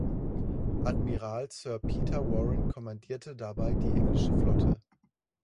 Admiral Sir Peter Warren kommandierte dabei die englische Flotte.